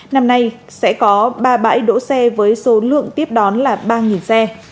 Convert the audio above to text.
năm nay sẽ có ba bãi đỗ xe với số lượng tiếp đón là ba xe